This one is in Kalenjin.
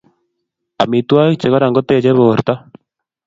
Amitwogik che kororon kotechei borta